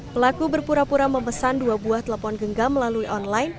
pelaku berpura pura memesan dua buah telepon genggam melalui online